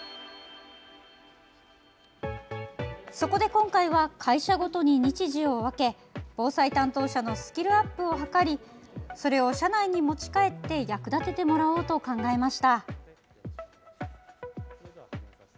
そこで今回は会社ごとに日時を分け防災担当者のスキルアップを図りそれを社内に持ち帰って役立ててもらおうと考えました。